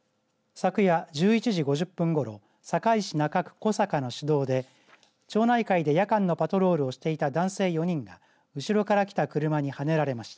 昨夜１１時５０分ごろ堺市中区小阪の市道で町内会で夜間のパトロールをしていた男性４人が後ろから来た車にはねられました。